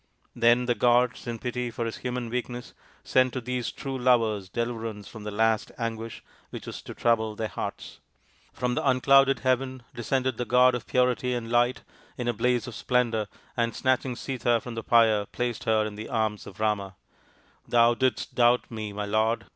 Then the gods, in pity for his human weakness, sent to these true lovers deliverance from the last anguish which was to trouble their hearts. From the unclouded heaven descended the god of Purity and Light in a blaze of splendour, and snatch ing Sita from the pyre placed her in the arms of Rama. " Thou didst doubt me, my lord